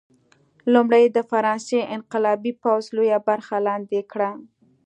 لومړی د فرانسې انقلابي پوځ لویه برخه لاندې کړه.